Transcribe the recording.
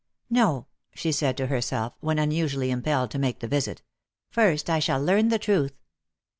"No," she said to herself, when unusually impelled to make the visit; "first I shall learn the truth.